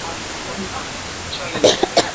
ili kumaliza mgogoro uliopo nchini mwake